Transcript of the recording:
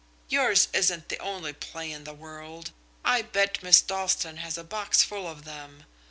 Yours isn't the only play in the world! I bet Miss Dalstan has a box full of them.